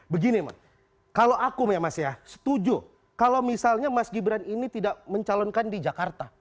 begini kalau aku ya mas ya setuju kalau misalnya mas gibran ini tidak mencalonkan di jakarta